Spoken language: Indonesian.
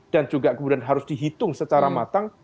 dan juga kemudian harus dihitung secara matang